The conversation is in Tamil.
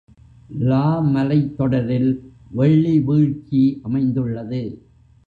லா மலைத் தொடரில் வெள்ளி வீழ்ச்சி அமைந்துள்ளது.